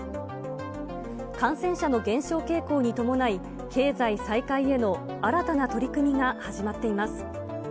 感染者の減少傾向に伴い、経済再開への新たな取り組みが始まっています。